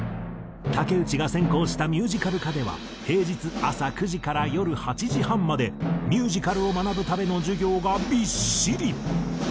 竹内が専攻したミュージカル科では平日朝９時から夜８時半までミュージカルを学ぶための授業がびっしり！